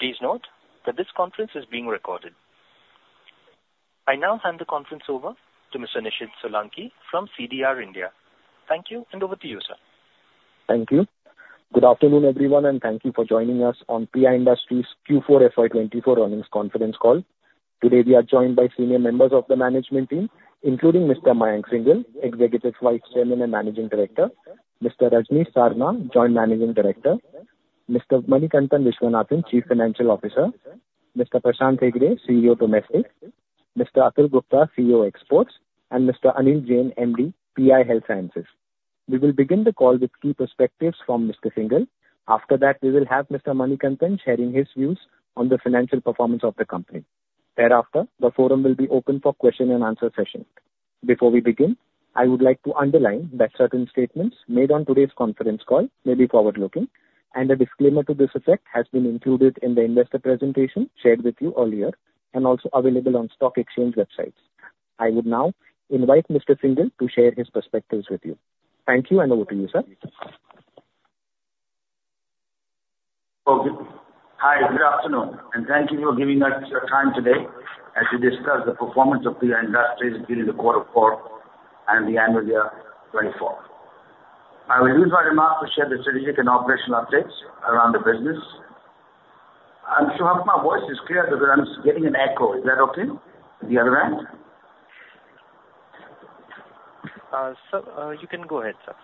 Please note that this conference is being recorded. I now hand the conference over to Mr. Nishid Solanki from CDR India. Thank you, and over to you, sir. Thank you. Good afternoon, everyone, and thank you for joining us on PI Industries' Q4 FY 2024 earnings conference call. Today, we are joined by senior members of the management team, including Mr. Mayank Singhal, Executive Vice Chairman and Managing Director, Mr. Rajnish Sarna, Joint Managing Director, Mr. Manikantan Viswanathan, Chief Financial Officer, Mr. Prashant Hegde, CEO Domestic, Mr. Atul Gupta, CEO Exports, and Mr. Anil Jain, MD, PI Health Sciences. We will begin the call with key perspectives from Mr. Singhal. After that, we will have Mr. Manikantan sharing his views on the financial performance of the company. Thereafter, the forum will be open for question-and-answer session. Before we begin, I would like to underline that certain statements made on today's conference call may be forward-looking, and a disclaimer to this effect has been included in the investor presentation shared with you earlier and also available on stock exchange websites. I would now invite Mr. Singhal to share his perspectives with you. Thank you, and over to you, sir. Okay. Hi, good afternoon, and thank you for giving us your time today as we discuss the performance of PI Industries during the quarter four and the annual year 2024. I will use my remarks to share the strategic and operational updates around the business. I'm not sure if my voice is clear, because I'm getting an echo. Is that okay on the other end? Sir, you can go ahead, sir.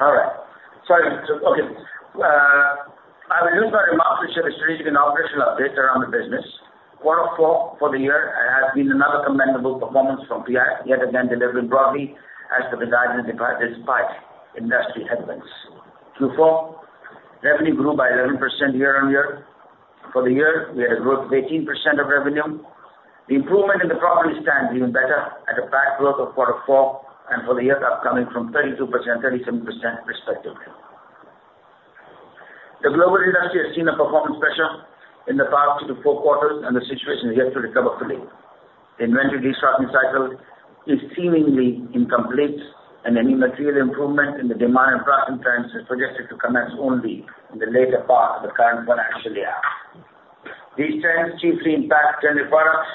I will use my remarks to share the strategic and operational update around the business. Quarter four for the year has been another commendable performance from PI, yet again, delivering broadly as expected despite industry headwinds. Q4, revenue grew by 11% year-on-year. For the year, we had a growth of 18% of revenue. The improvement in profitability stands even better at EBITDA growth of quarter four and for the year of 32%, 37% respectively. The global industry has seen a performance pressure in the past 2-4 quarters, and the situation is yet to recover fully. The inventory restocking cycle is seemingly incomplete, and any material improvement in the demand and pricing trends is projected to commence only in the later part of the current financial year. These trends chiefly impact generic products.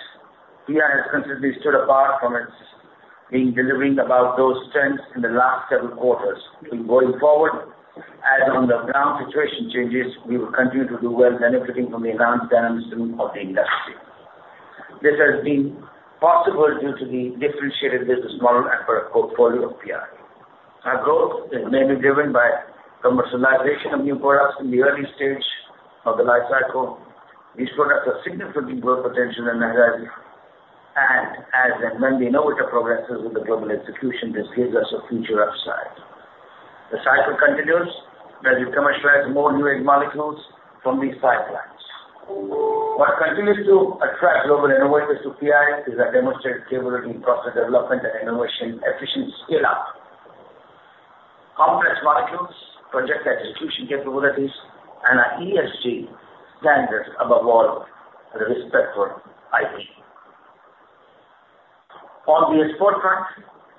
PI has consistently stood apart from it, by delivering above those trends in the last several quarters. Going forward, as the on-ground situation changes, we will continue to do well, benefiting from the adverse trends of the industry. This has been possible due to the differentiated business model and product portfolio of PI. Our growth is mainly driven by commercialization of new products in the early stage of the life cycle. These products have significant growth potential and value, and as and when the innovator progresses with the global execution, this gives us a future upside. The cycle continues as you commercialize more new molecules from these pipelines. What continues to attract global innovators to PI is a demonstrated capability in process development and innovation, efficient scale-up of complex molecules, project execution capabilities, and our ESG standards, above all, with respect for IP. On the export front,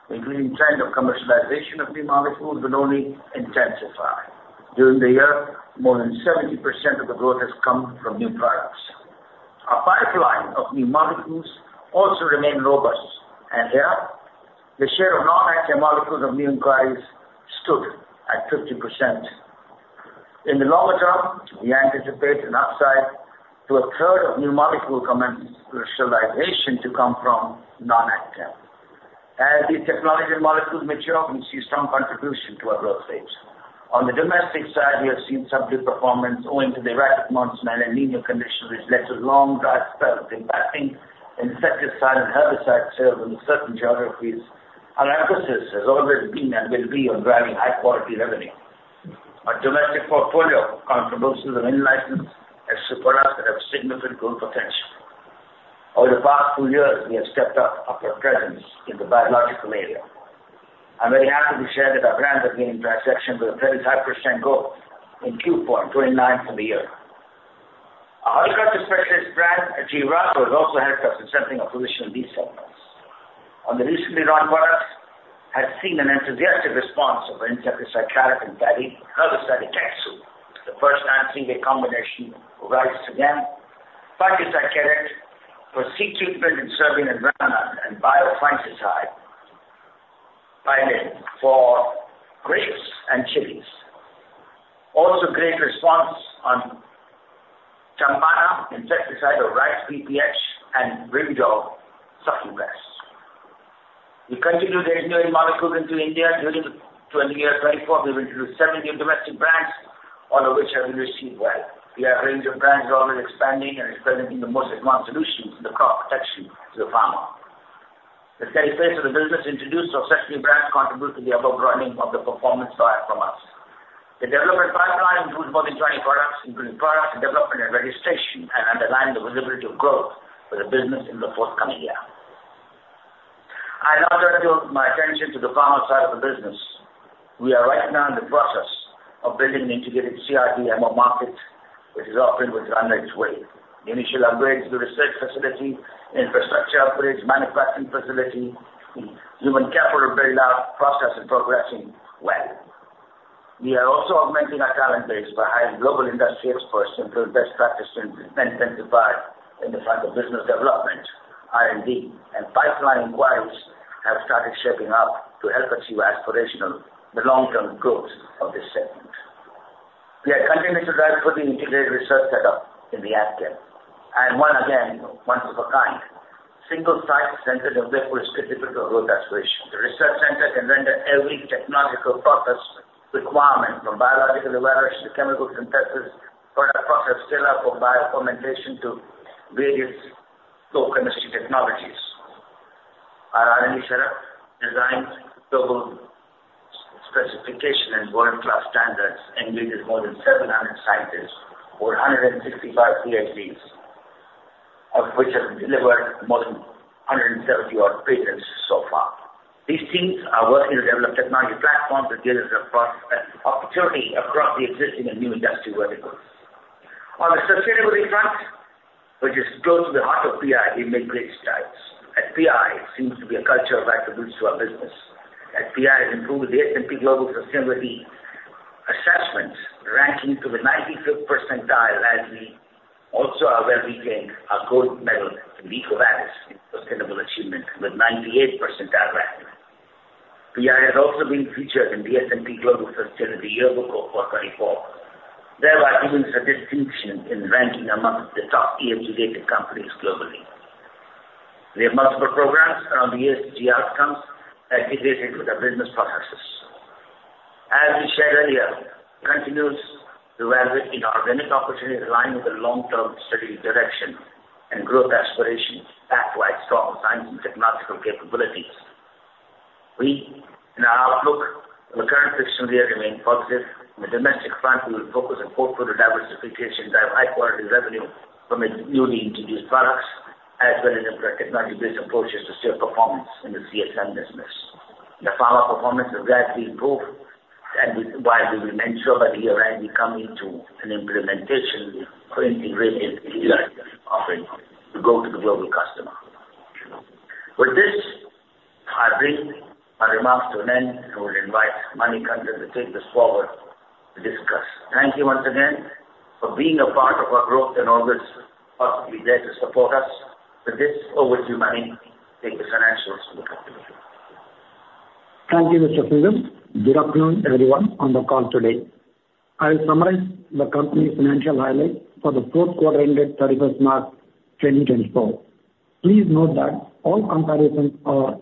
the growing trend of commercialization of new molecules will only intensify. During the year, more than 70% of the growth has come from new products. Our pipeline of new molecules also remain robust, and here, the share of non-active molecules of new inquiries stood at 50%. In the longer term, we anticipate an upside to a third of new molecule commercialization to come from non-active. As these technology molecules mature, we see strong contribution to our growth rates. On the domestic side, we have seen some good performance owing to the erratic monsoon and El Niño conditions, which led to long dry spells impacting insecticide and herbicide sales in certain geographies. Our emphasis has always been and will be on driving high-quality revenue. Our domestic portfolio contributes to the new license as super products that have significant growth potential. Over the past 2 years, we have stepped up our presence in the biological area. I'm very happy to share that our brands are gaining traction with a 35% growth in Q4, 29% for the year. Our agriculture specialist brand, Jivagro, has also helped us in setting a position in these segments. On the recently launched products, has seen an enthusiastic response of our insecticide CARVINT and herbicide, EKETSU. The first time three-day combination arrives again. PIOXANILIPROLE for seed treatment and serving environment and biopesticide PIILIN for grapes and chilies. Also, great response on CAMPANA, insecticide of rice BPH and [Ringil], sucking pests. We continue engineering molecules into India. During 2024, we will introduce 70 new domestic brands, all of which have been received well. We have a range of brands always expanding and presenting the most advanced solutions in the crop protection to the farmer. The steady pace of the business introduced successfully brands contribute to the above par performance side from us. The development pipeline includes more than 20 products, including products, development and registration, and underline the visibility of growth for the business in the forthcoming year. I now turn my attention to the pharma side of the business. We are right now in the process of building an integrated CDMO market, which is on its way. Initial upgrades to the research facility, infrastructure upgrades, manufacturing facility, human capital build-out process is progressing well. We are also augmenting our talent base by hiring global industry experts and building best practices in the forefront of business development, R&D, and pipeline inquiries have started shaping up to help achieve aspirational, the long-term growth of this segment. We are continuing to drive for the integrated research setup in the [AgChem], and once again, one of a kind. Single site centered in Udaipur growth aspiration. The research center can render every technological process requirement from biological evaluation to chemical synthesis, for a process scale-up from bio fermentation to various flow chemistry technologies. Our R&D setup designed to global specifications and world-class standards, engages more than 700 scientists, over 165 PhDs, of which have delivered more than 170-odd patents so far. These teams are working to develop technology platforms that delivers across, opportunity across the existing and new industry verticals. On the sustainability front, which is close to the heart of PI, we make great strides. At PI, it seems to be a culture of attributes to our business. At PI, we improved the S&P Global Sustainability Assessment, ranking to the 95th percentile, as we also are well retained a gold medal in EcoVadis in sustainable achievement with 98th percentile ranking. PI has also been featured in the S&P Global Sustainability yearbook of 2024, thereby earning the distinction in ranking among the top ESG-rated companies globally. We have multiple programs around the ESG outcomes integrated with our business processes. As we shared earlier, continues to evaluate inorganic opportunities aligned with the long-term strategic direction and growth aspirations, backed by strong science and technological capabilities. We, in our outlook on the current fiscal year, remain positive. On the domestic front, we will focus on portfolio diversification, drive high quality revenue from the newly introduced products, as well as technology-based approaches to share performance in the CSM business. The pharma performance has gradually improved, and we, while we will make sure that year end, we come into an implementation or integrated year offering to go to the global customer. With this, I bring my remarks to an end, and will invite Manikantan to take this forward to discuss. Thank you once again for being a part of our growth and always positively there to support us. With this, over to you, Mani, take the financials for the company. Thank you, Mr. Singhal. Good afternoon, everyone on the call today. I will summarize the company's financial highlights for the fourth quarter ended 31st March 2024. Please note that all comparisons are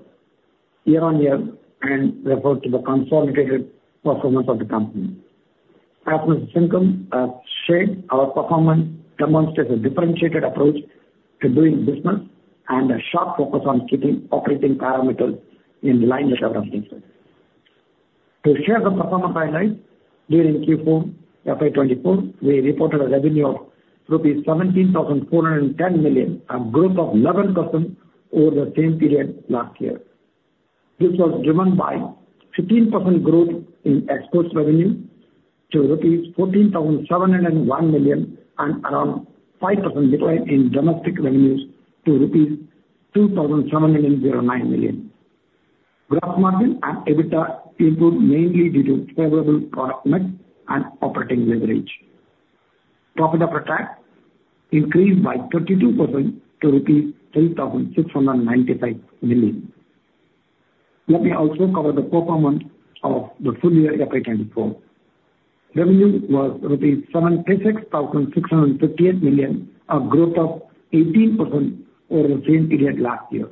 year-on-year and refer to the consolidated performance of the company. As Mr. Singhal has shared, our performance demonstrates a differentiated approach to doing business and a sharp focus on keeping operating parameters in line with our inaudible. To share the performance highlights, during Q4 FY 2024, we reported a revenue of rupees 17,410 million, a growth of 11% over the same period last year. This was driven by 15% growth in exports revenue to rupees 14,701 million, and around 5% decline in domestic revenues to rupees 2,709 million. Gross margin and EBITDA improved mainly due to favorable product mix and operating leverage. Profit after tax increased by 32% to rupees 3,695 million. Let me also cover the performance of the full year FY 2024. Revenue was rupees 76,658 million, a growth of 18% over the same period last year.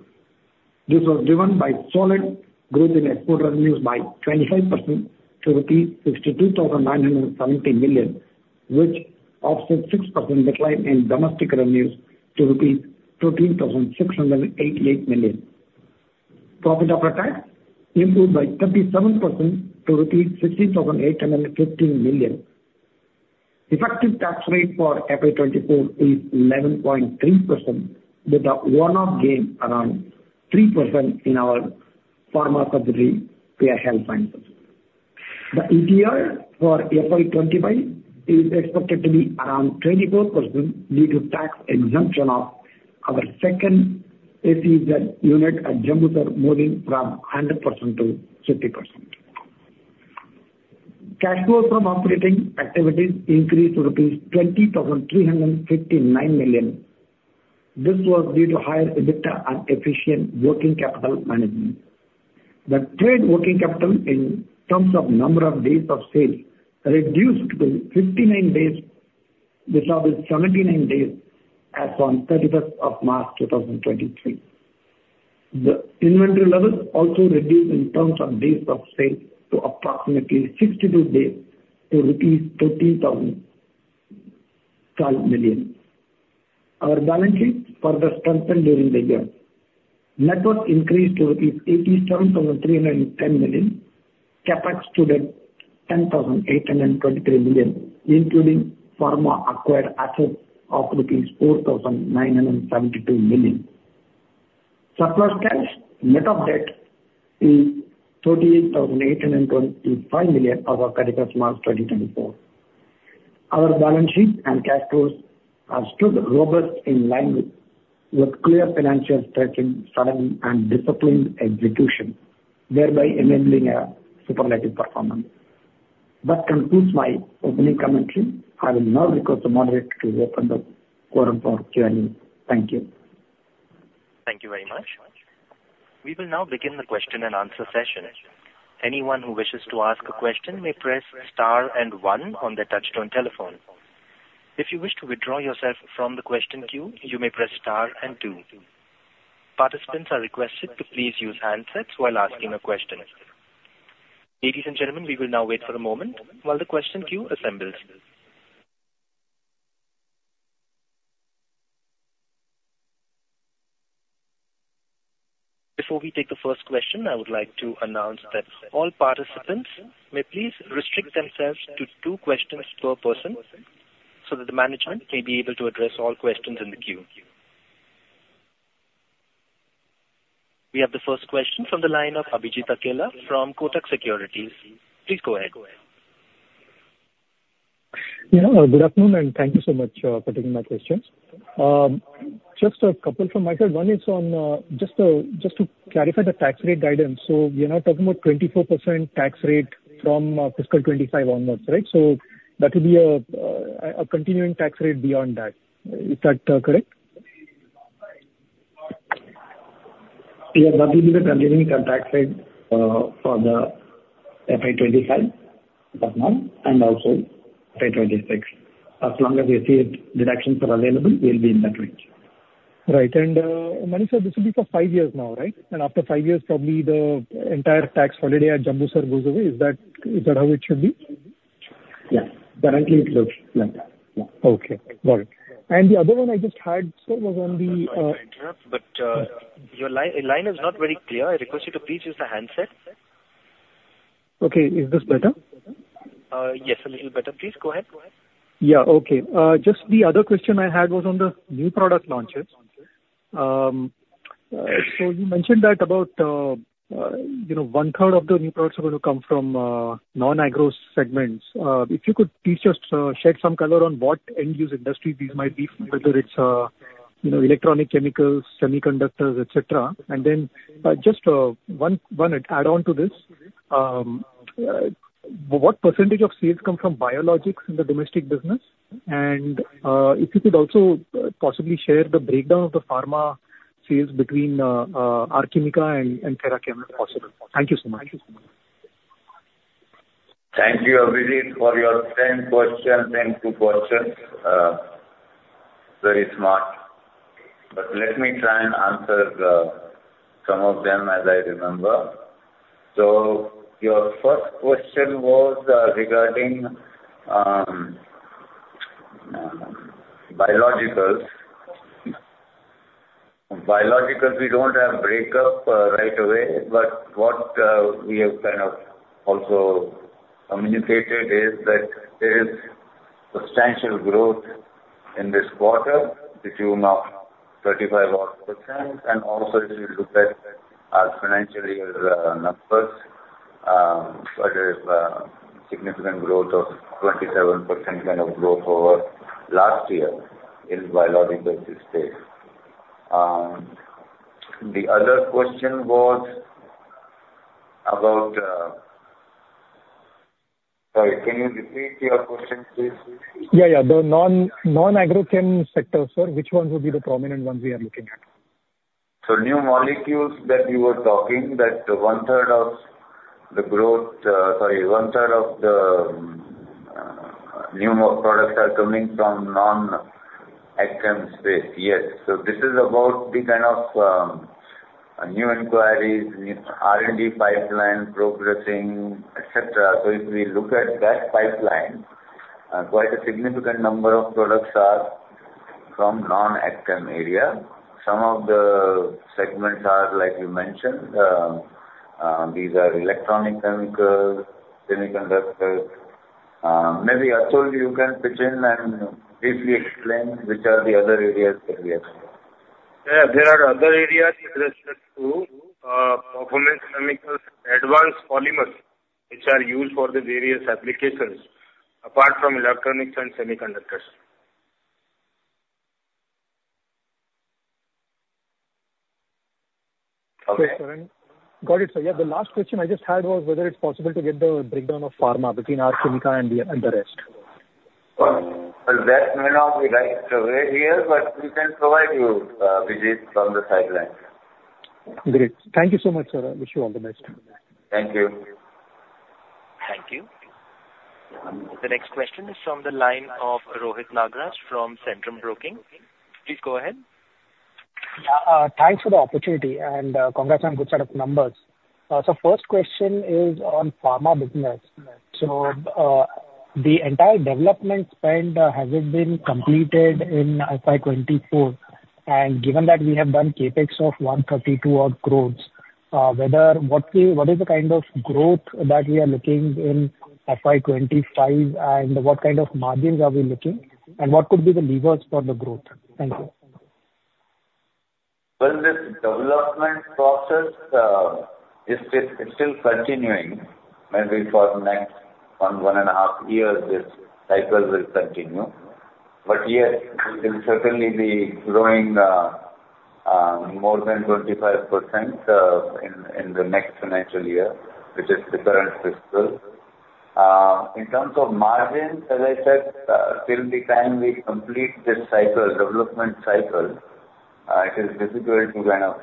This was driven by solid growth in export revenues by 25% to rupees 62,970 million, which offset 6% decline in domestic revenues to rupees 13,688 million. Profit after tax improved by 27% to rupees 16,815 million. Effective tax rate for FY 2024 is 11.3%, with a one-off gain around 3% in our pharma subsidiary, PI Health Sciences. The EPR for FY 2025 is expected to be around 24% due to tax exemption of our second SEZ unit at Jambusar, moving from 100% to 50%. Cash flow from operating activities increased to rupees 20,359 million. This was due to higher EBITDA and efficient working capital management. The trade working capital, in terms of number of days of sales, reduced to 59 days, which was 79 days as on March 31, 2023. The inventory levels also reduced in terms of days of sales to approximately 62 days to INR 13,012 million. Our balance sheet further strengthened during the year. Net worth increased to 87,310 million, CapEx to the 10,823 million, including pharma acquired assets of rupees 4,972 million. Surplus cash, net of debt is 38,825 million as of March 31, 2024. ...Our balance sheet and cash flows have stood robust in line with clear financial strength and discipline and execution, thereby enabling a superlative performance. That concludes my opening commentary. I will now request the moderator to open the forum for Q&A. Thank you. Thank you very much. We will now begin the question-and-answer session. Anyone who wishes to ask a question may press star and one on their touchtone telephone. If you wish to withdraw yourself from the question queue, you may press star and two. Participants are requested to please use handsets while asking a question. Ladies and gentlemen, we will now wait for a moment while the question queue assembles. Before we take the first question, I would like to announce that all participants may please restrict themselves to two questions per person, so that the management may be able to address all questions in the queue. We have the first question from the line of Abhijit Akella from Kotak Securities. Please go ahead. Yeah. Good afternoon, and thank you so much for taking my questions. Just a couple from my side. One is on just to clarify the tax rate guidance. So we are now talking about 24% tax rate from fiscal 2025 onwards, right? So that will be a continuing tax rate beyond that. Is that correct? Yeah, that will be the continuing tax rate for the FY 2025, FY 2026. As long as we see it, deductions are available, we'll be in that range. Right. And, Mani, so this will be for five years now, right? And after five years, probably the entire tax holiday at Jambusar goes away. Is that, is that how it should be? Yeah. Currently, it looks like that. Yeah. Okay, got it. And the other one I just had, sir, was on the, Sorry to interrupt, but, your line is not very clear. I request you to please use the handset. Okay. Is this better? Yes, a little better. Please go ahead. Yeah. Okay. Just the other question I had was on the new product launches. So you mentioned that about, you know, 1/3 of the new products are going to come from non-agro segments. If you could please just shed some color on what end use industry these might be, whether it's, you know, electronic chemicals, semiconductors, et cetera. And then, just one add on to this. What percentage of sales come from biologics in the domestic business? And if you could also possibly share the breakdown of the pharma sales between Archimica and Therachem, if possible. Thank you so much. Thank you, Abhijit, for your 10 questions, 10 good questions. Very smart, but let me try and answer some of them as I remember. So your first question was regarding biologicals. Biologicals, we don't have breakup right away, but what we have kind of also communicated is that there is substantial growth in this quarter to tune of 35%. And also, if you look at our financial year numbers, there is a significant growth of 27% kind of growth over last year in biological space. The other question was about... Sorry, can you repeat your question, please? Yeah, yeah. The non-agrochem sectors, sir, which ones will be the prominent ones we are looking at? So new molecules that you were talking, that one-third of the growth, sorry, one-third of the, new products are coming from non-AgChem space. Yes. So this is about the kind of, new inquiries, R&D pipeline, progressing, et cetera. So if we look at that pipeline, quite a significant number of products are from non-AgChem area. Some of the segments are like you mentioned, these are electronic chemicals, semiconductors. Maybe, Atul, you can pitch in and briefly explain which are the other areas that we have. Yeah. There are other areas related to performance chemicals, advanced polymers, which are used for the various applications, apart from electronics and semiconductors. Okay. Got it, sir. Yeah, the last question I just had was whether it's possible to get the breakdown of pharma between our chemical and the, and the rest. Well, that may not be the right way here, but we can provide you, Abhijit, from the sidelines. Great. Thank you so much, sir. I wish you all the best. Thank you. Thank you. The next question is from the line of Rohit Nagraj from Centrum Broking. Please go ahead. Yeah. Thanks for the opportunity, and, congrats on good set of numbers. So first question is on pharma business. So, the entire development spend, has it been completed in FY 2024? And given that we have done CapEx of 132 odd crores, whether-- what we, what is the kind of growth that we are looking in FY 2025, and what kind of margins are we looking, and what could be the levers for the growth? Thank you. Well, this development process is still continuing, maybe for the next 1.5 years, this cycle will continue. But yes, we will certainly be growing more than 25% in the next financial year, which is the current fiscal. In terms of margins, as I said, till the time we complete this cycle, development cycle, it is difficult to kind of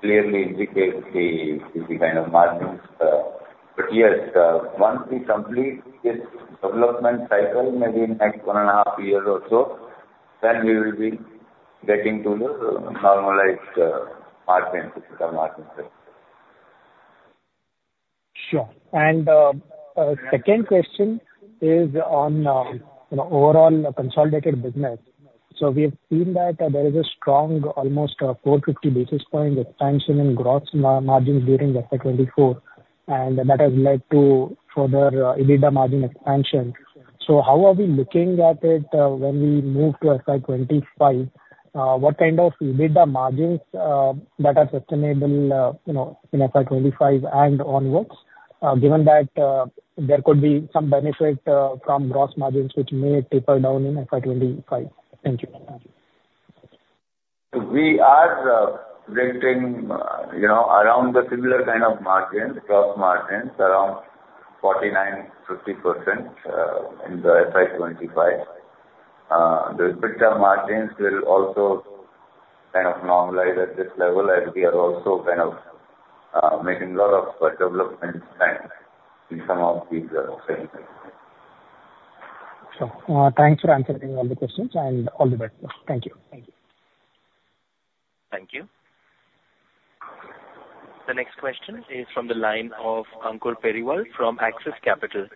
clearly indicate the kind of margins. But yes, once we complete this development cycle, maybe in next 1.5 years or so, then we will be getting to the normalized margins, or margin set. Sure. And, second question is on, you know, overall consolidated business. So we have seen that there is a strong, almost a 450 basis point expansion in gross margins during FY 2024, and that has led to further, EBITDA margin expansion. So how are we looking at it, when we move to FY 2025? What kind of EBITDA margins that are sustainable, you know, in FY 2025 and onwards, given that, there could be some benefit, from gross margins, which may taper down in FY 2025? Thank you. We are maintaining, you know, around the similar kind of margins, gross margins, around 49%-50%, in the FY 2025. The EBITDA margins will also kind of normalize at this level, as we are also kind of making a lot of developments and in some of these areas. Sure. Thanks for answering all the questions and all the best. Thank you. Thank you. Thank you. The next question is from the line of Ankur Periwal from Axis Capital.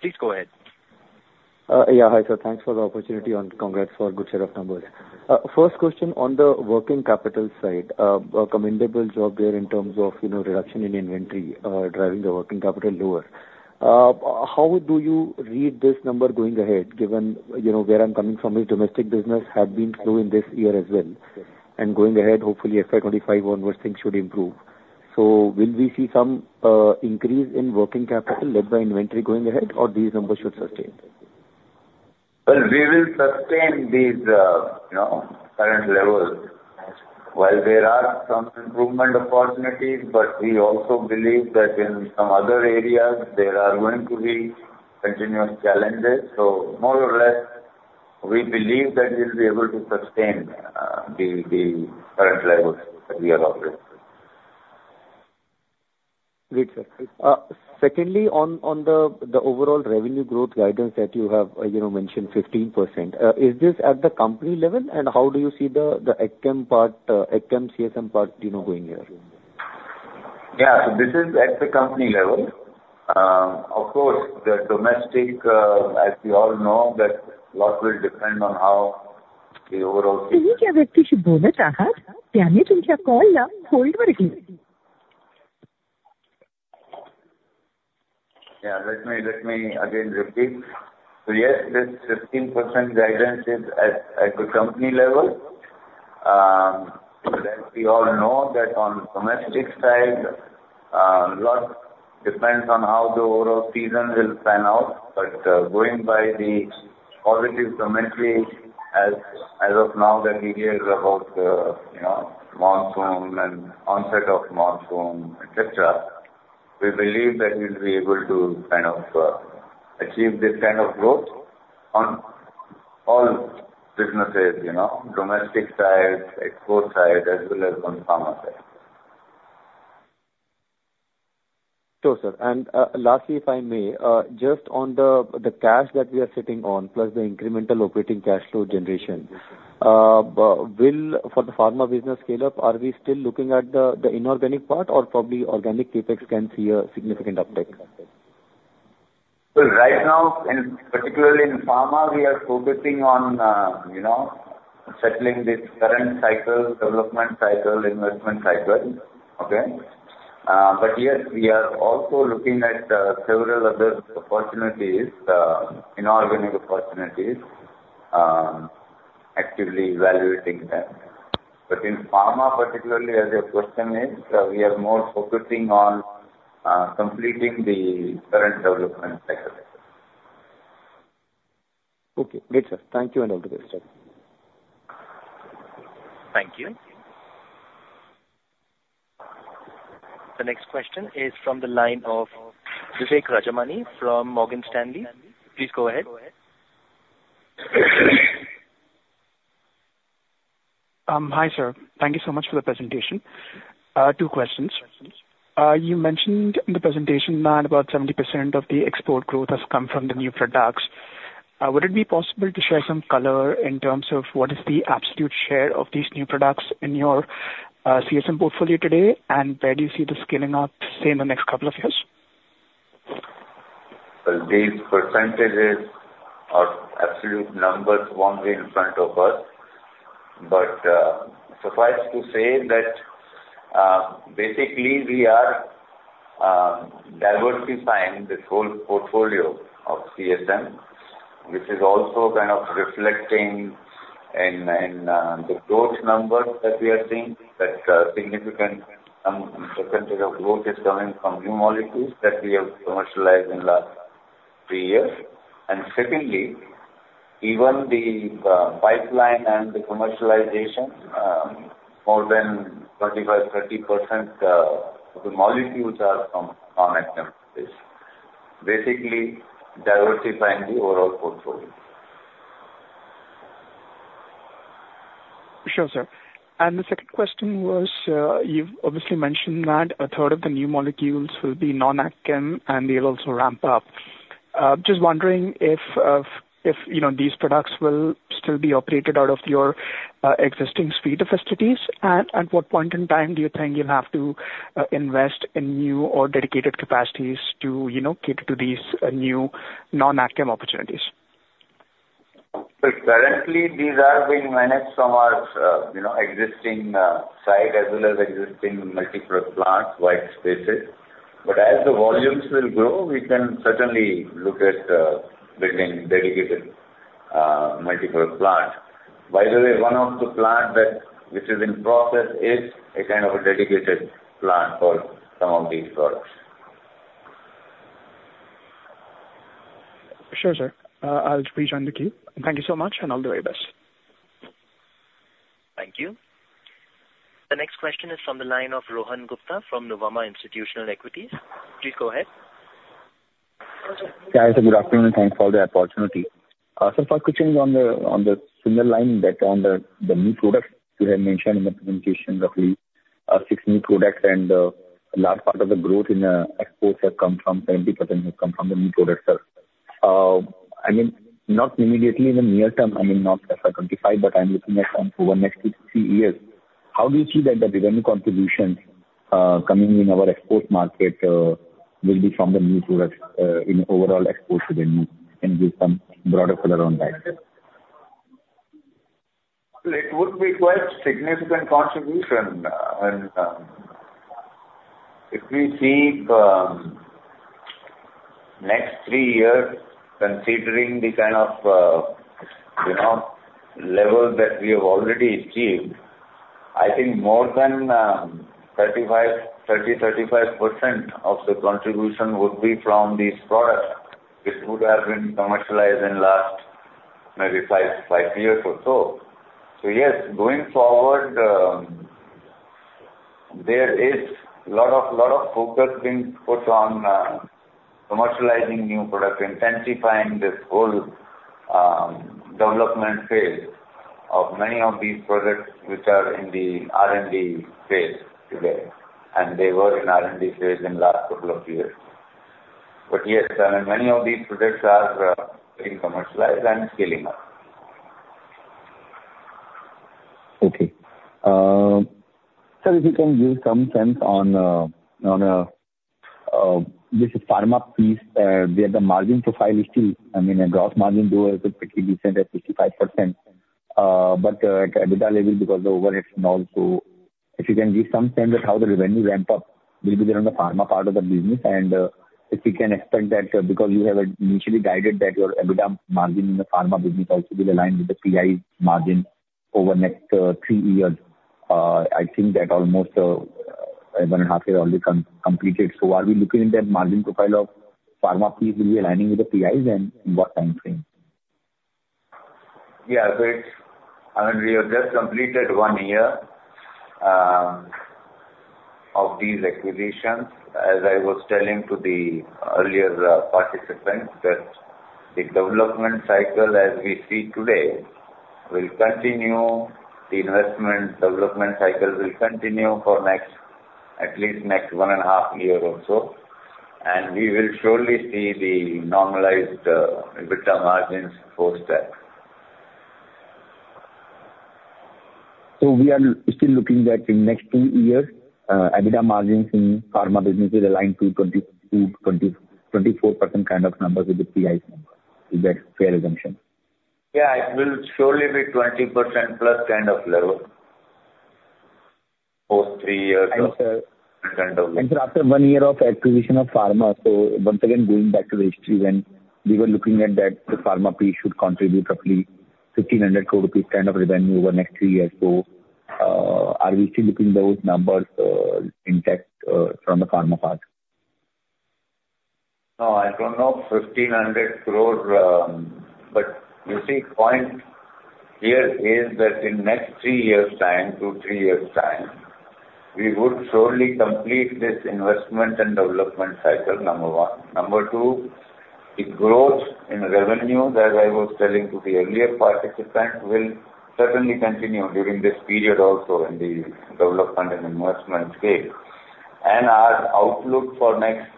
Please go ahead. Yeah, hi, sir. Thanks for the opportunity, and congrats for good set of numbers. First question on the working capital side. A commendable job there in terms of, you know, reduction in inventory, driving the working capital lower. How do you read this number going ahead, given, you know, where I'm coming from, the domestic business have been slow in this year as well, and going ahead, hopefully, FY 2025 onwards, things should improve. So will we see some increase in working capital led by inventory going ahead, or these numbers should sustain? Well, we will sustain these, you know, current levels. While there are some improvement opportunities, but we also believe that in some other areas there are going to be continuous challenges. So more or less, we believe that we'll be able to sustain, the current levels that we are operating. Great, sir. Secondly, on the overall revenue growth guidance that you have, you know, mentioned 15%, is this at the company level? How do you see the CSM part, CSM part, you know, going here? Yeah. So this is at the company level. Of course, the domestic, as we all know, a lot will depend on how the overall—Yeah. Let me again repeat. So yes, this 15% guidance is at the company level. As we all know, on the domestic side, a lot depends on how the overall season will pan out. But, going by the positive commentary as of now, the details about, you know, monsoon and onset of monsoon, et cetera, we believe that we'll be able to kind of achieve this kind of growth on all businesses, you know, domestic side, export side, as well as on pharma side. Sure, sir. Lastly, if I may, just on the cash that we are sitting on, plus the incremental operating cash flow generation, but will, for the pharma business scale-up, are we still looking at the inorganic part, or probably organic CapEx can see a significant uptake? Well, right now, particularly in pharma, we are focusing on, you know, settling this current cycle, development cycle, investment cycle. Okay? But yes, we are also looking at several other opportunities, inorganic opportunities, actively evaluating them. But in pharma particularly, as your question is, we are more focusing on completing the current development cycle. Okay. Great, sir. Thank you and all the best. Thank you. The next question is from the line of Vivek Rajamani from Morgan Stanley. Please go ahead. Hi, sir. Thank you so much for the presentation. Two questions. You mentioned in the presentation that about 70% of the export growth has come from the new products. Would it be possible to share some color in terms of what is the absolute share of these new products in your, CSM portfolio today, and where do you see this scaling up, say, in the next couple of years? Well, these percentages are absolute numbers only in front of us, but suffice to say that. Basically, we are diversifying this whole portfolio of CSM, which is also kind of reflecting in the growth numbers that we are seeing, that significant percentage of growth is coming from new molecules that we have commercialized in last 3 years. And secondly, even the pipeline and the commercialization, more than 25%-30% of the molecules are from AgChem space. It's basically diversifying the overall portfolio. Sure, sir. The second question was, you've obviously mentioned that a third of the new molecules will be non-AgChem, and they'll also ramp up. Just wondering if, you know, these products will still be operated out of your existing suite of facilities, and at what point in time do you think you'll have to invest in new or dedicated capacities to, you know, cater to these new non-AgChem opportunities? So currently, these are being managed from our, you know, existing site as well as existing multiple plants, white spaces. But as the volumes will grow, we can certainly look at building dedicated multiple plants. By the way, one of the plant that, which is in process, is a kind of a dedicated plant for some of these products. Sure, sir. I'll rejoin the queue. Thank you so much, and all the very best. Thank you. The next question is from the line of Rohan Gupta from Nuvama Institutional Equities. Please go ahead. Hi, good afternoon, and thanks for the opportunity. So first question is on the similar line that on the new products you had mentioned in the presentation, roughly six new products, and large part of the growth in exports have come from, 70% have come from the new products. I mean, not immediately in the near term, I mean, not as a 25%, but I'm looking at over next three years. How do you see that the revenue contributions coming in our export market will be from the new products in overall export revenue? Can you give some broader color on that? Well, it would be quite significant contribution, and, if we see next 3 years considering the kind of, you know, level that we have already achieved, I think more than 35%, 30%, 35% of the contribution would be from these products, which would have been commercialized in last maybe 5 years, 5 years or so. So yes, going forward, there is a lot of, lot of focus being put on commercializing new products, intensifying this whole development phase of many of these products, which are in the R&D phase today, and they were in R&D phase in last couple of years. But yes, I mean, many of these projects are being commercialized and scaling up. Okay. Sir, if you can give some sense on this pharma piece, where the margin profile is still, I mean, the gross margin though is pretty decent at 55%, but at EBITDA level, because the overheads and all. So if you can give some sense of how the revenue ramp up will be there on the pharma part of the business, and if we can expect that, because you have initially guided that your EBITDA margin in the pharma business also will align with the PI margin over the next three years. I think that almost one and a half year already completed. So are we looking at that margin profile of pharma piece will be aligning with the PIs, and in what timeframe? Yeah. So it's... I mean, we have just completed one year of these acquisitions. As I was telling to the earlier participants, that the development cycle as we see today will continue. The investment development cycle will continue for next, at least next one and a half year or so, and we will surely see the normalized EBITDA margins for that. So we are still looking that in next two years, EBITDA margins in pharma business is aligned to 22%-24% kind of numbers with the PI number. Is that fair assumption? Yeah, it will surely be 20%+ kind of level for 3 years. And, sir- And then- Sir, after one year of acquisition of pharma, so once again, going back to the history when we were looking at that, the pharma piece should contribute roughly 1,500 crore rupees kind of revenue over the next three years. Are we still looking those numbers intact from the pharma part? No, I don't know, 1,500 crore, but you see, point here is that in next three years' time, to three years' time, we would surely complete this investment and development cycle, number one. Number two, the growth in revenue, as I was telling to the earlier participant, will certainly continue during this period also in the development and investment phase. And our outlook for next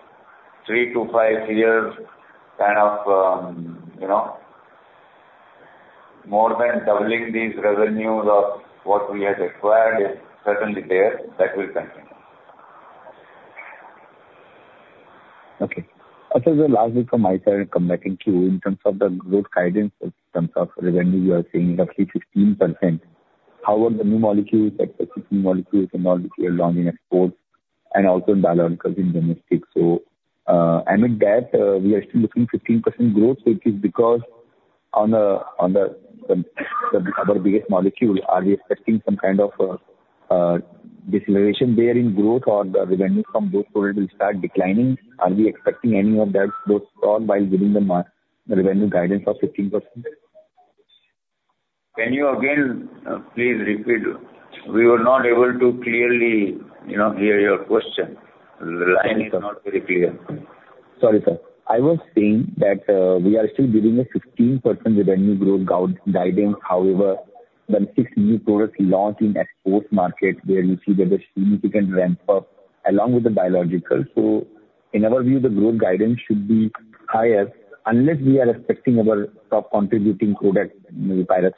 three to five years, kind of, you know, more than doubling these revenues of what we have acquired is certainly there. That will continue.... Okay. Also, the last week from my side, come back in queue, in terms of the growth guidance, in terms of revenue, you are saying roughly 15%. How are the new molecules, like the 15 molecules and all which we are launching in export and also in biologicals in domestic? So, amid that, we are still looking 15% growth, which is because of our biggest molecule, are we expecting some kind of deceleration there in growth or the revenue from both products will start declining? Are we expecting any of that both or by giving the revenue guidance of 15%? Can you again, please repeat? We were not able to clearly, you know, hear your question. The line is not very clear. Sorry, sir. I was saying that we are still giving a 15% revenue growth guidance. However, the six new products launched in export markets, where we see there's a significant ramp up along with the biological. So in our view, the growth guidance should be higher unless we are expecting our top contributing product, [Virax],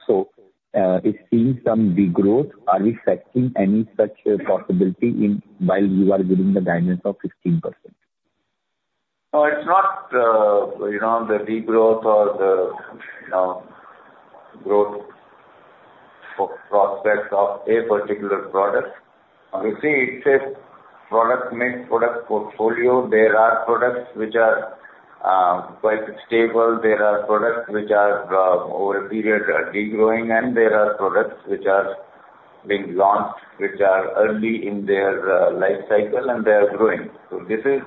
is seeing some degrowth. Are we expecting any such possibility or while you are giving the guidance of 15%? No, it's not, you know, the degrowth or the growth for prospects of a particular product. You see, it's a product mix, product portfolio. There are products which are quite stable. There are products which are, over a period, are degrowing, and there are products which are being launched, which are early in their life cycle, and they are growing. So this is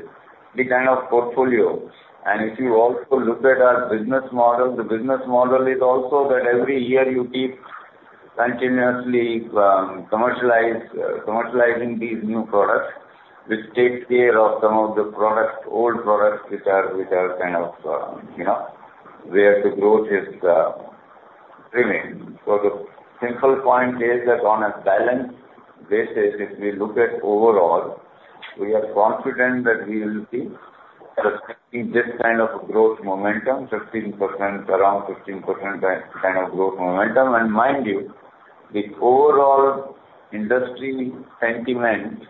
the kind of portfolio, and if you also look at our business model, the business model is also that every year you keep continuously commercializing these new products, which takes care of some of the products, old products, which are kind of, you know, where the growth is remaining. So the central point is that on a balance basis, if we look at overall, we are confident that we will see this kind of growth momentum, 15%, around 15% kind of growth momentum. And mind you, the overall industry sentiment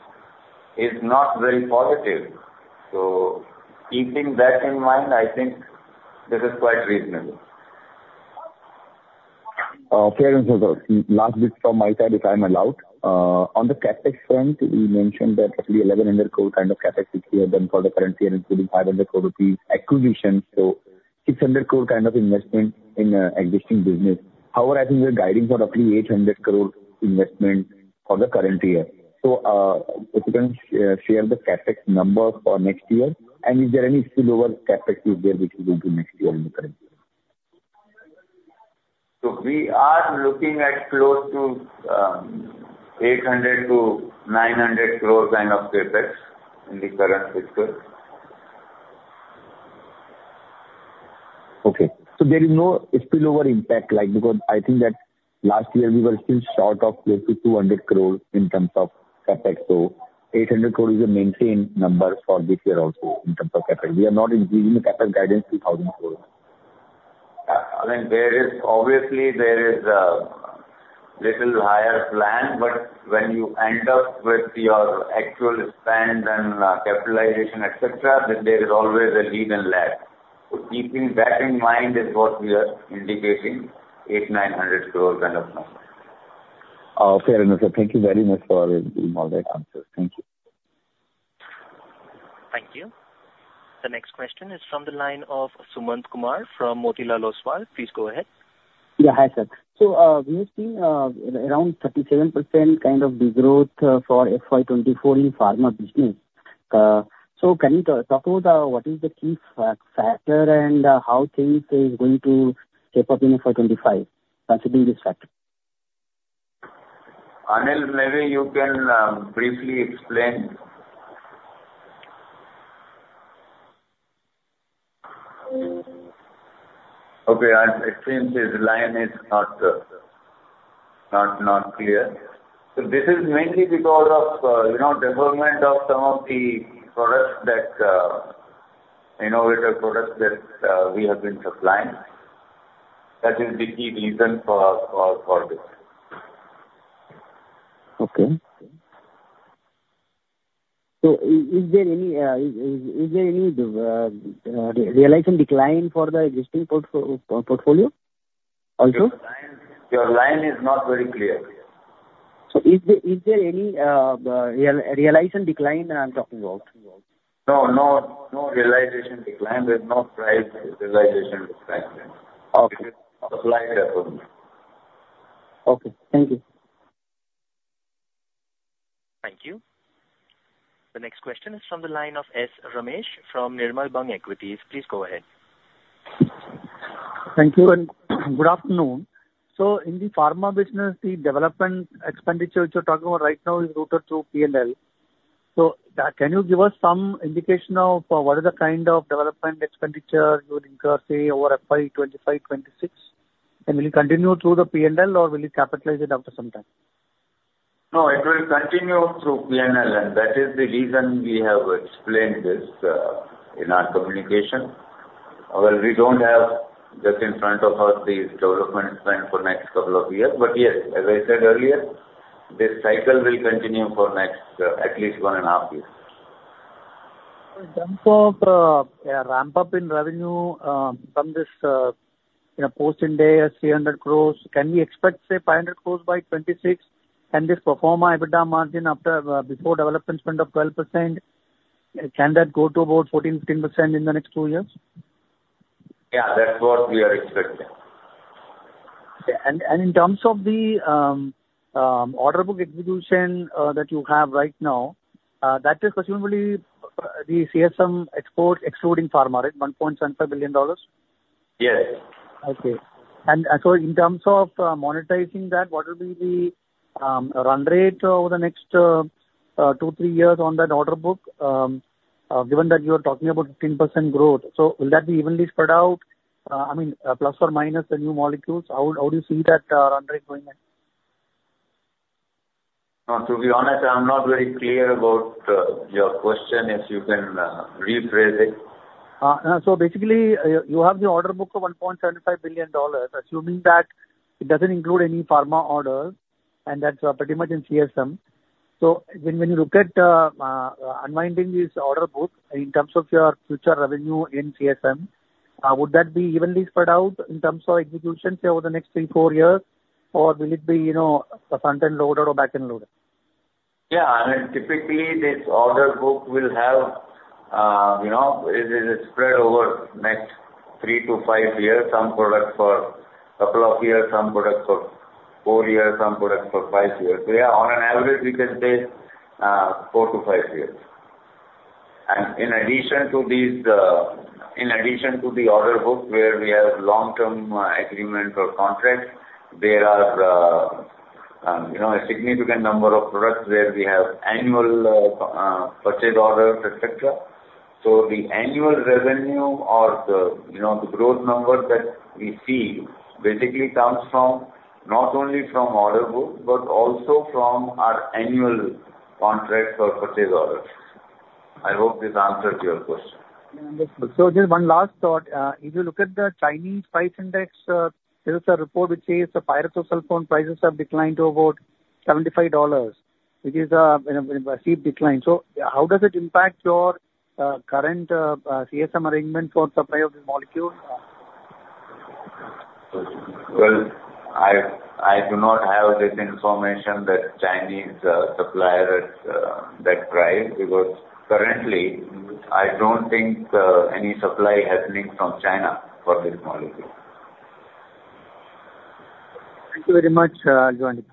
is not very positive. So keeping that in mind, I think this is quite reasonable. Fair enough, sir. Last bit from my side, if I'm allowed. On the CapEx front, you mentioned that roughly 1,100 crore kind of CapEx which we have done for the current year, including 500 crore rupees acquisition, so 600 crore kind of investment in existing business. However, I think we are guiding for roughly 800 crore investment for the current year. So, if you can share the CapEx number for next year and is there any spillover CapEx use there, which will go to next year in the current year? So we are looking at close to 800 crore-900 crore kind of CapEx in the current fiscal. Okay. So there is no spillover impact, like, because I think that last year we were still short of close to INR 200 crore in terms of CapEx. So INR 800 crore is a maintained number for this year also, in terms of CapEx. We are not giving a CapEx guidance INR 2,000 crore. I mean, there is obviously a little higher plan, but when you end up with your actual spend and capitalization, et cetera, et cetera, then there is always a lead and lag. So keeping that in mind is what we are indicating 800 crores-900 crores kind of number. Fair enough, sir. Thank you very much for all the answers. Thank you. Thank you. The next question is from the line of Sumant Kumar from Motilal Oswal. Please go ahead. Yeah. Hi, sir. So, we've seen around 37% kind of degrowth for FY 2024 in pharma business. So can you talk about what is the key factor and how things is going to shape up in FY 2025, considering this factor? Anil, maybe you can briefly explain. Okay, I think his line is not clear. So this is mainly because of, you know, debonement of some of the products that innovative products that we have been supplying. That is the key reason for this. Okay. So is there any realization decline for the existing portfolio also? Your line, your line is not very clear. Is there any realization decline I'm talking about? No, no, no realization decline. There's no price realization decline. Okay. Because of supply procurement. Okay. Thank you. Thank you. The next question is from the line of S. Ramesh from Nirmal Bang Equities. Please go ahead. Thank you, and good afternoon. So in the pharma business, the development expenditure which you're talking about right now is routed through P&L. So, can you give us some indication of what is the kind of development expenditure you would incur, say, over FY 2025, 2026? And will it continue through the P&L, or will you capitalize it after some time? No, it will continue through PNL, and that is the reason we have explained this in our communication. Well, we don't have just in front of us the development plan for next couple of years. But yes, as I said earlier, this cycle will continue for next at least one and a half years. In terms of, yeah, ramp-up in revenue, from this, you know, post India, 300 crore, can we expect, say, 500 crore by 2026? And this pro forma EBITDA margin after, before development spend of 12%, can that go to about 14%-15% in the next two years? Yeah, that's what we are expecting. Okay. And in terms of the order book execution that you have right now, that is presumably the CSM export excluding pharma, right? $1.75 billion. Yes. Okay. And so in terms of monetizing that, what will be the run rate over the next two, three years on that order book? Given that you are talking about 15% growth, so will that be evenly spread out? I mean, plus or minus the new molecules, how do you see that run rate going then? No, to be honest, I'm not very clear about your question. If you can rephrase it. Basically, you have the order book of $1.75 billion, assuming that it doesn't include any pharma orders, and that's pretty much in CSM. When you look at unwinding this order book in terms of your future revenue in CSM, would that be evenly spread out in terms of execution, say, over the next three, four years? Or will it be, you know, a front-end loaded or back-end loaded? Yeah, I mean, typically, this order book will have, you know, it is spread over next 3 years-5 years, some products for couple of years, some products for 4 years, some products for 5 years. So yeah, on an average, we can say, 4 years-5 years. And in addition to these, in addition to the order book, where we have long-term, agreements or contracts, there are, you know, a significant number of products where we have annual, purchase orders, et cetera. So the annual revenue or the, you know, the growth number that we see basically comes from, not only from order book, but also from our annual contract for purchase orders. I hope this answered your question. So just one last thought. If you look at the Chinese price index, there is a report which says the Pyroxasulfone prices have declined to about $75, which is a, you know, a steep decline. So how does it impact your, current, CSM arrangement for supply of the molecule? Well, I do not have this information that Chinese supplier at that price, because currently, I don't think any supply has been from China for this molecule. Thank you very much, Lavanya.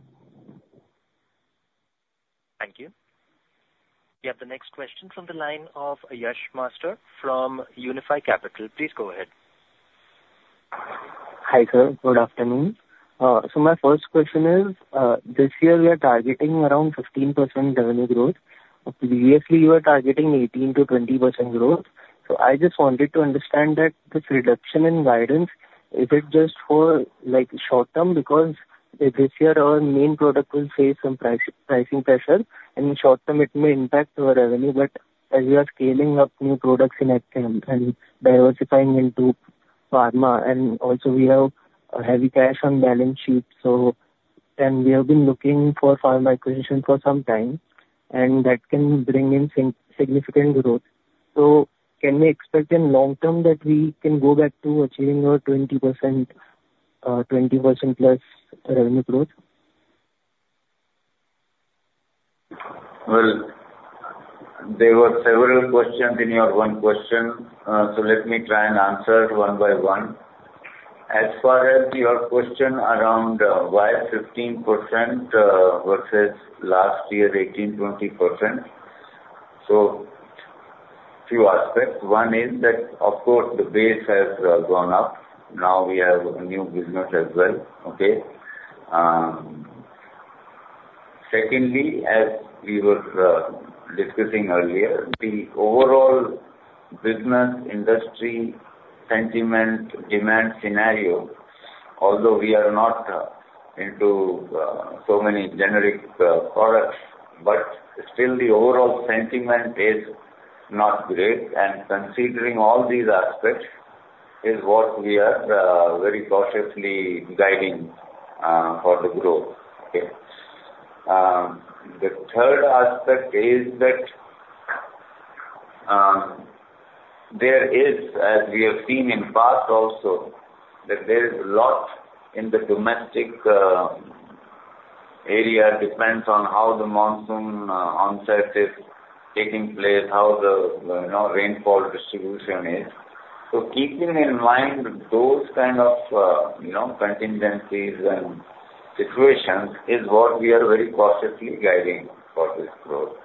Thank you. We have the next question from the line of Yash Master from Unifi Capital. Please go ahead. Hi, sir. Good afternoon. So my first question is, this year we are targeting around 15% revenue growth. Previously, you were targeting 18%-20% growth. So I just wanted to understand that this reduction in guidance, is it just for, like, short term? Because this year our main product will face some pricing pressure, and in short term, it may impact our revenue. But as we are scaling up new products in CSM and diversifying into pharma, and also we have a heavy cash on balance sheet, so... And we have been looking for firm acquisition for some time, and that can bring in significant growth. So can we expect in long term that we can go back to achieving our 20%, 20%+ revenue growth? Well, there were several questions in your one question. So let me try and answer it one by one. As far as your question around why 15% versus last year 18%-20%. So few aspects. One is that, of course, the base has gone up. Now we have a new business as well, okay? Secondly, as we were discussing earlier, the overall business industry sentiment, demand scenario, although we are not into so many generic products, but still the overall sentiment is not great. And considering all these aspects, is what we are very cautiously guiding for the growth. Okay. The third aspect is that, there is, as we have seen in past also, that there is a lot in the domestic area depends on how the monsoon onset is taking place, how the, you know, rainfall distribution is. So keeping in mind those kind of, you know, contingencies and situations, is what we are very cautiously guiding for this growth.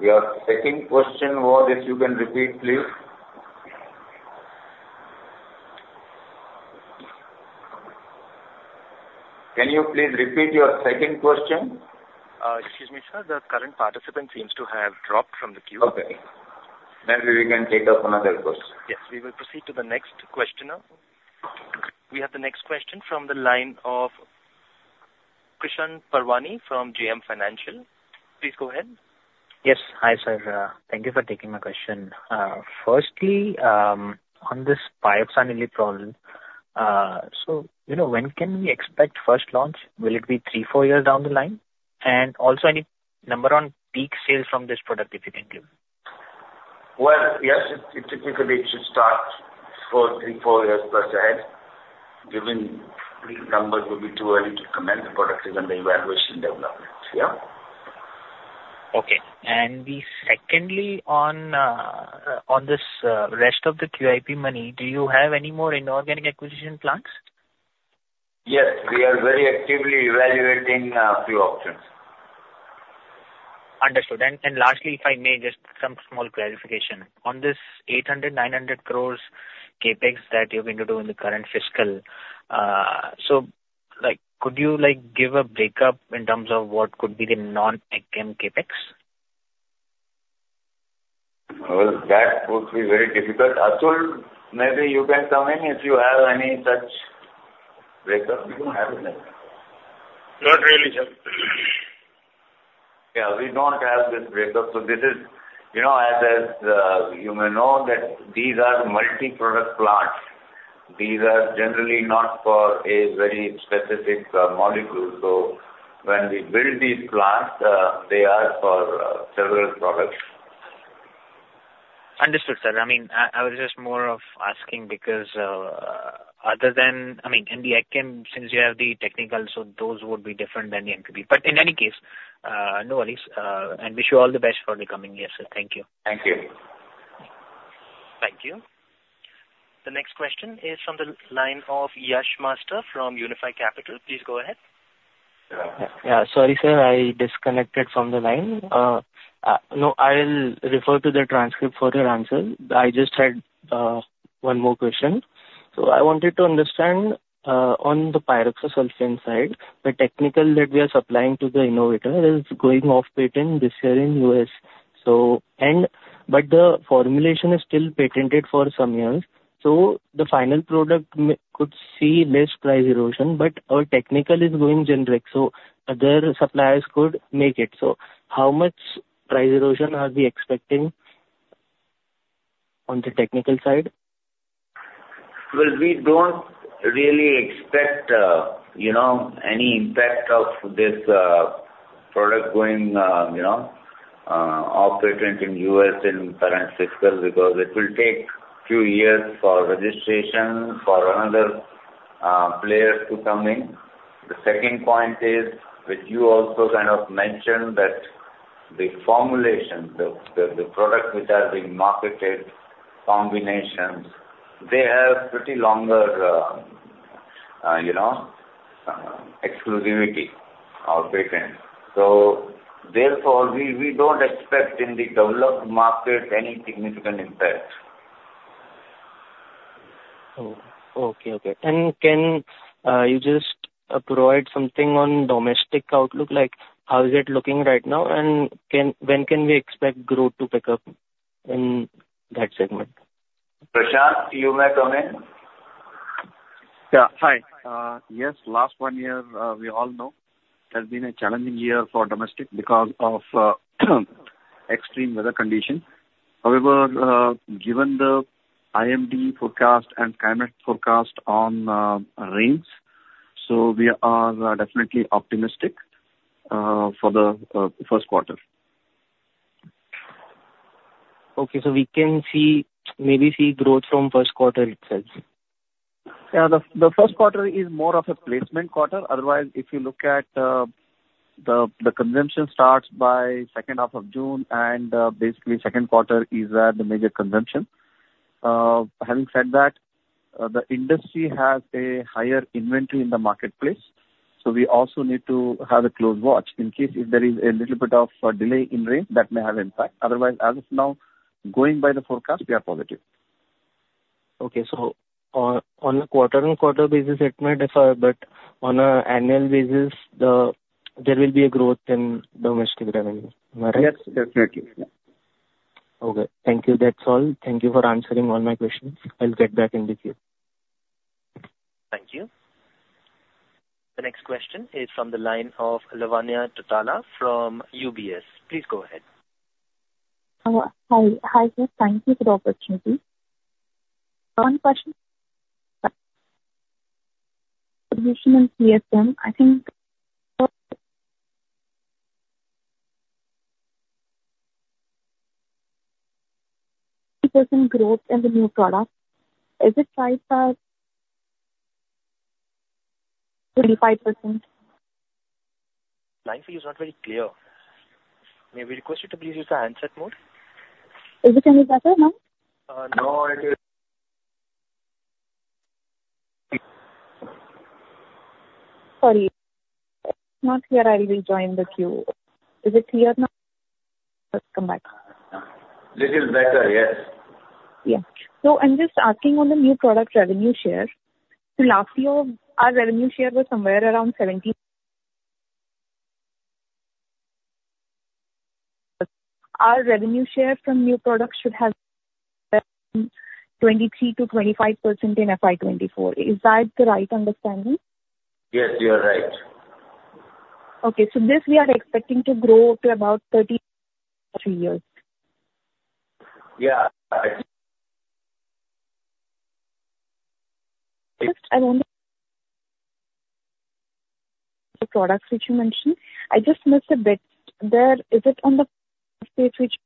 Your second question was, if you can repeat, please? Can you please repeat your second question? Excuse me, sir, the current participant seems to have dropped from the queue. Okay. Then we can take up another question. Yes, we will proceed to the next questioner. We have the next question from the line of Krishan Parwani from JM Financial. Please go ahead. Yes. Hi, sir. Thank you for taking my question. Firstly, on this Pyroxasulfone problem, so, you know, when can we expect first launch? Will it be 3 years, 4 years down the line? And also, any number on peak sales from this product, if you can give. Well, yes, it typically should start 3 years-4 years plus ahead. Given peak numbers would be too early to comment. The product is under evaluation development. Yeah. Okay. And secondly on this rest of the QIP money, do you have any more inorganic acquisition plans? Yes, we are very actively evaluating few options. Understood. And lastly, if I may, just some small clarification. On this 800 crore-900 crore CapEx that you're going to do in the current fiscal, so like could you, like, give a breakup in terms of what could be the non-CapEx? Well, that would be very difficult. Atul, maybe you can come in if you have any such breakup. We don't have it, right? Not really, sir. Yeah, we don't have this breakup, so this is... You know, as you may know, that these are the multi-product plants. These are generally not for a very specific molecule. So when we build these plants, they are for several products. Understood, sir. I mean, I was just more of asking because other than, I mean, in the end, since you have the technical, so those would be different than the MPP. But in any case, no worries, and wish you all the best for the coming year, sir. Thank you. Thank you. Thank you. The next question is from the line of Yash Master from Unifi Capital. Please go ahead. Yeah. Sorry, sir, I disconnected from the line. No, I'll refer to the transcript for your answer. I just had one more question. So I wanted to understand, on the Pyroxasulfone side, the technical that we are supplying to the innovator is going off patent this year in U.S. So, and, but the formulation is still patented for some years, so the final product may- could see less price erosion, but our technical is going generic, so other suppliers could make it. So how much price erosion are we expecting on the technical side? Well, we don't really expect, you know, any impact of this product going, you know, off patent in U.S. in current fiscal, because it will take few years for registration for another players to come in. The second point is, which you also kind of mentioned, that the formulation, the products which are being marketed, combinations, they have pretty longer, you know, exclusivity of patent. So therefore, we don't expect in the developed market any significant impact. Oh, okay. Okay. And can you just provide something on domestic outlook, like how is it looking right now, and when can we expect growth to pick up in that segment? Prashant, you may come in. Yeah. Hi. Yes, last one year, we all know has been a challenging year for domestic because of, extreme weather condition. However, given the IMD forecast and climate forecast on, rains, so we are, definitely optimistic, for the, first quarter. Okay, so we can see, maybe see growth from first quarter itself. Yeah. The first quarter is more of a placement quarter. Otherwise, if you look at the consumption starts by second half of June, and basically, second quarter is the major consumption. Having said that, the industry has a higher inventory in the marketplace, so we also need to have a close watch in case if there is a little bit of a delay in rain, that may have impact. Otherwise, as of now, going by the forecast, we are positive. Okay. So on a quarter-over-quarter basis, it may differ, but on an annual basis, there will be a growth in domestic revenue. Am I right? Yes, definitely. Okay. Thank you. That's all. Thank you for answering all my questions. I'll get back in the queue. Thank you. The next question is from the line of Lavanya Tottala from UBS. Please go ahead. Hi. Hi, good. Thank you for the opportunity. One question... position in CSM, I think, percent growth in the new product. Is it 5% or 25%? Line for you is not very clear. May we request you to please use the handset mode? Is it any better now? No, it is- Sorry. It's not clear. I'll rejoin the queue. Is it clear now? Just come back. This is better. Yes. Yeah. So I'm just asking on the new product revenue share. So last year, our revenue share was somewhere around seventeen-... our revenue share from new products should have 23%-25% in FY 2024. Is that the right understanding? Yes, you are right. Okay. So this we are expecting to grow to about 33 years. Yeah, I- Just, I wonder, the products which you mentioned. I just missed a bit there. Is it on the page which-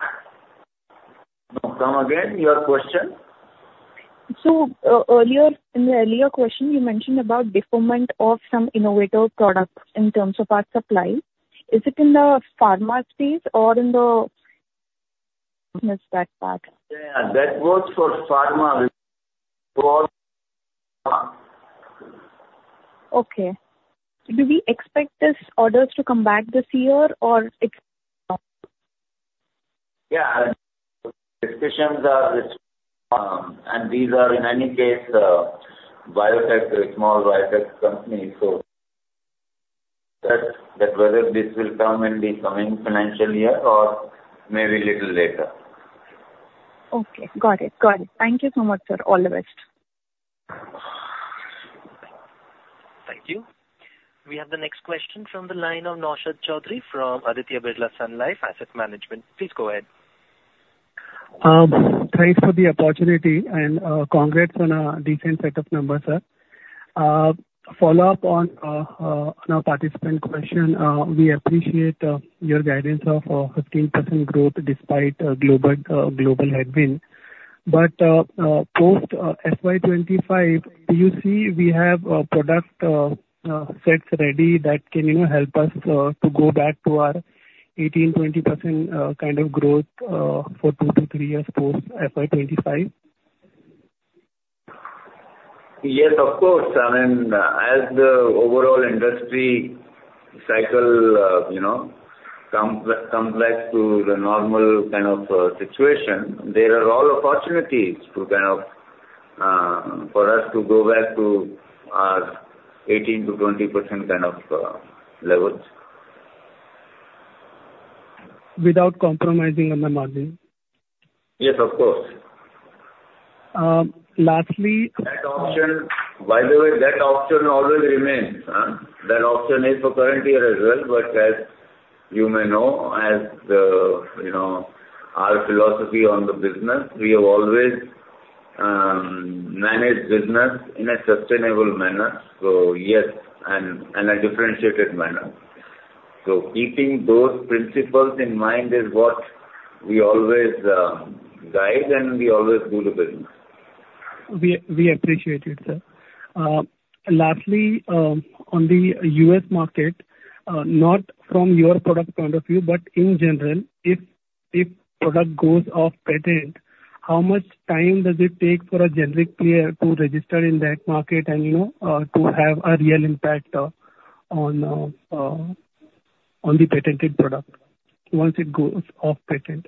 Come again, your question? So, earlier, in the earlier question, you mentioned about deferment of some innovative products in terms of our supply. Is it in the pharma space, or did I miss that part? Yeah, that was for pharma for pharma. Okay. Do we expect these orders to come back this year or next year? Yeah, discussions are this, and these are in any case, biotech, small biotech companies, so that, that whether this will come in the coming financial year or maybe a little later. Okay. Got it. Got it. Thank you so much, sir. All the best. Thank you. We have the next question from the line of Naushad Chaudhary from Aditya Birla Sun Life Asset Management. Please go ahead. Thanks for the opportunity and congrats on a decent set of numbers, sir. Follow up on a participant question. We appreciate your guidance of 15% growth despite global headwinds. But post FY 2025, do you see we have product sets ready that can, you know, help us to go back to our 18%-20% kind of growth for two to three years post FY 2025? Yes, of course. I mean, as the overall industry cycle, you know, comes back to the normal kind of situation, there are all opportunities to kind of for us to go back to our 18%-20% kind of levels. Without compromising on the margin? Yes, of course. Um, lastly- That option, by the way, that option always remains, huh? That option is for current year as well, but as you may know, you know, our philosophy on the business, we have always managed business in a sustainable manner. So yes, and in a differentiated manner. So keeping those principles in mind is what we always guide, and we always do the business. We appreciate it, sir. Lastly, on the U.S. market, not from your product point of view, but in general, if product goes off patent, how much time does it take for a generic player to register in that market and, you know, to have a real impact on the patented product once it goes off patent?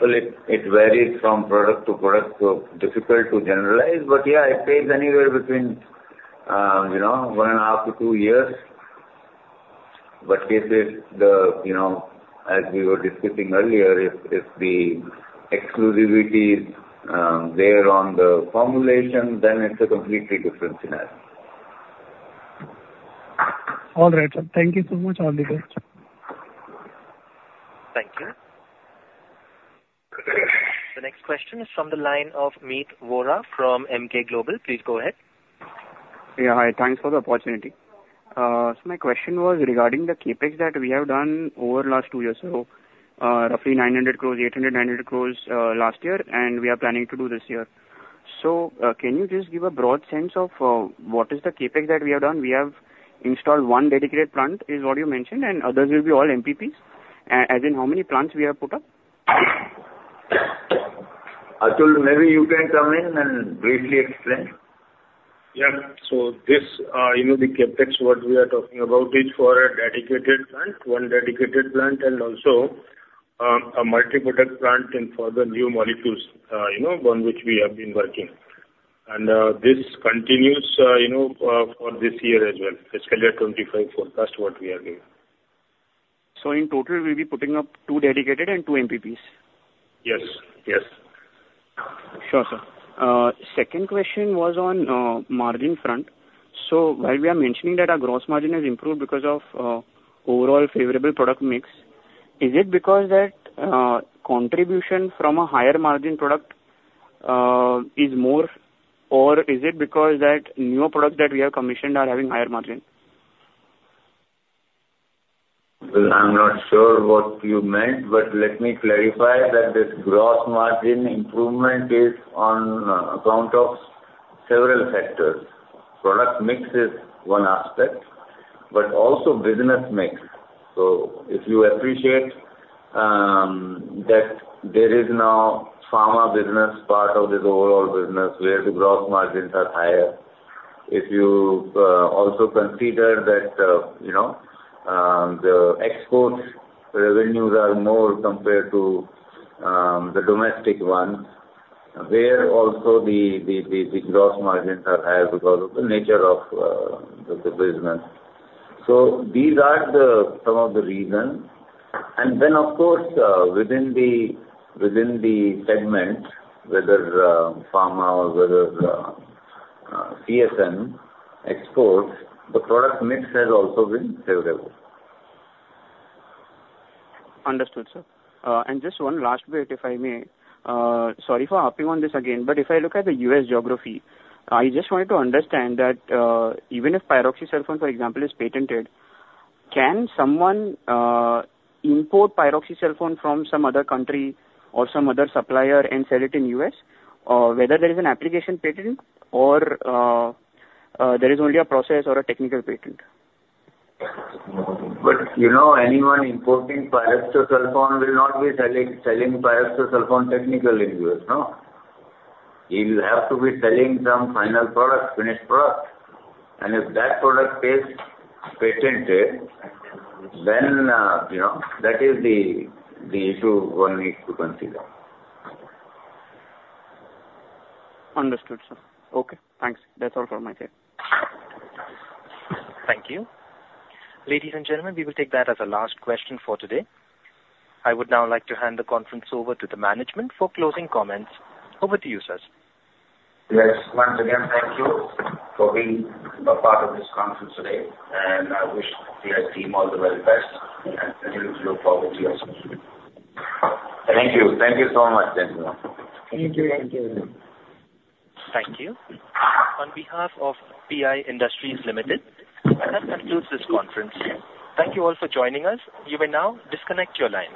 Well, it varies from product to product, so difficult to generalize, but yeah, it takes anywhere between, you know, 1.5 years-2 years. But if it's... You know, as we were discussing earlier, if the exclusivity is there on the formulation, then it's a completely different scenario. All right, sir. Thank you so much. All the best. Thank you. The next question is from the line of Meet Vora from Emkay Global. Please go ahead. Yeah, hi. Thanks for the opportunity. So, my question was regarding the CapEx that we have done over the last two years. So, roughly 900 crore, 800 crore-900 crore, last year, and we are planning to do this year. So, can you just give a broad sense of, what is the CapEx that we have done? We have installed one dedicated plant, is what you mentioned, and others will be all MPPs. As in how many plants we have put up? Atul, maybe you can come in and briefly explain. Yeah. So this, you know, the CapEx, what we are talking about is for a dedicated plant, one dedicated plant and also, a multi-product plant, and for the new molecules, you know, on which we have been working. This continues, you know, for this year as well, fiscal year 2025 forecast what we are giving. In total, we'll be putting up two dedicated and two MPPs? Yes. Yes. Sure, sir. Second question was on margin front. So while we are mentioning that our gross margin has improved because of overall favorable product mix, is it because that contribution from a higher margin product is more, or is it because that newer products that we have commissioned are having higher margin? Well, I'm not sure what you meant, but let me clarify that this gross margin improvement is on account of several factors. Product mix is one aspect, but also business mix. So if you appreciate that there is now pharma business part of this overall business, where the gross margins are higher. If you also consider that, you know, the export revenues are more compared to the domestic ones. There also the gross margins are higher because of the nature of the business. So these are some of the reasons. And then, of course, within the segment, whether pharma or whether CSM exports, the product mix has also been favorable. Understood, sir. Just one last bit, if I may. Sorry for harping on this again, but if I look at the U.S. geography, I just wanted to understand that, even if Pyroxasulfone, for example, is patented, can someone import Pyroxasulfone from some other country or some other supplier and sell it in U.S.? Or whether there is an application patent or there is only a process or a technical patent? But, you know, anyone importing Pyroxasulfone will not be selling Pyroxasulfone technical in U.S., no? He will have to be selling some final product, finished product, and if that product is patented, then, you know, that is the issue one needs to consider. Understood, sir. Okay, thanks. That's all for my side. Thank you. Ladies and gentlemen, we will take that as our last question for today. I would now like to hand the conference over to the management for closing comments. Over to you, sirs. Yes. Once again, thank you for being a part of this conference today, and I wish the PI team all the very best and continue to look forward to your support. Thank you. Thank you so much, gentlemen. Thank you. Thank you. Thank you. On behalf of PI Industries Limited, that concludes this conference. Thank you all for joining us. You may now disconnect your line.